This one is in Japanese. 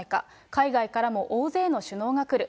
海外からも大勢の首脳が来る。